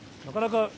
なかなか。